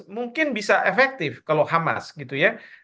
mungkin bisa efektif kalau hamas gitu ya